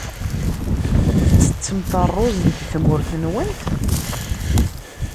Tettettemt ṛṛuz deg tmurt-nwent?